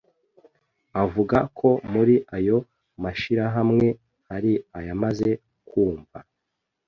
Avuga ko muri ayo mashirahamwe hari ayamaze kwumva